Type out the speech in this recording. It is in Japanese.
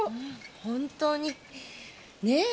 本当にねえ！